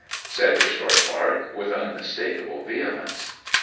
said her short bark, with unmistakable vehemence.